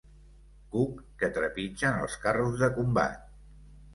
Cuc que trepitgen els carros de combat.